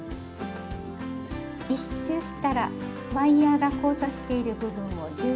１周したらワイヤーが交差している部分を十字に留めます。